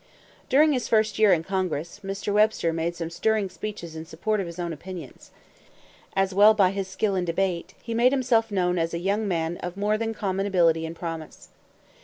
During his first year in Congress, Mr. Webster made some stirring speeches in support of his own opinions. In this way, as well by his skill in debate, he made himself known as a young man of more than common ability and promise.